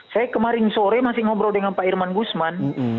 saya kemarin sore masih ngobrol dengan pak irman gusman